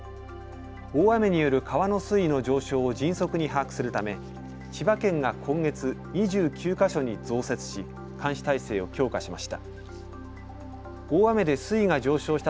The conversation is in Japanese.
大雨による川の水位の上昇を迅速に把握するため千葉県が今月、２９か所に増設し監視体制を強化しました。